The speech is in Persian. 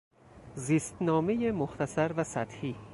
زیستنامهی مختصر و سطحی